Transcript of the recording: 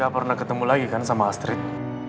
gak pernah ketemu lagi kan sama astrid